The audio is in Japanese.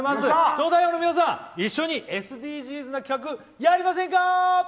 「東大王」の皆さん、一緒にＳＤＧｓな企画やりませんか！